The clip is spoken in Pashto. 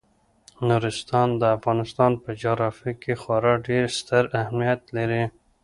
نورستان د افغانستان په جغرافیه کې خورا ډیر ستر اهمیت لري.